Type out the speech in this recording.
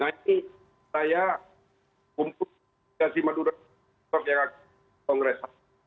nanti saya kumpul ke delegasi madura untuk mengerjakan kongres